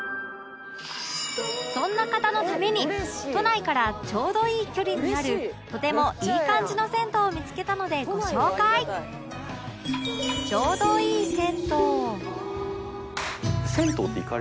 そんな方のために都内からちょうどいい距離にあるとてもいい感じの銭湯を見付けたのでご紹介ですよね？